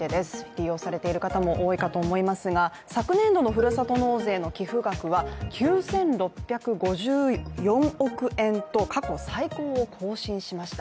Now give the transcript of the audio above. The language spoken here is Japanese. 利用されている方も多いかと思いますが、昨年度のふるさと納税の寄付額は９６５４億円と、過去最高を更新しました。